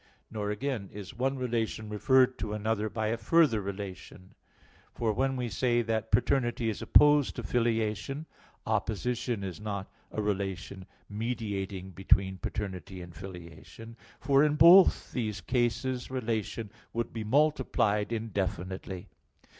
Nor, again, is one relation referred to another by a further relation: for when we say that paternity is opposed to filiation, opposition is not a relation mediating between paternity and filiation. For in both these cases relation would be multiplied indefinitely.